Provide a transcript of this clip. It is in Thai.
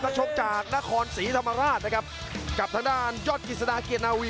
ชกจากนครศรีธรรมราชนะครับกับทางด้านยอดกิจสดาเกียรนาวี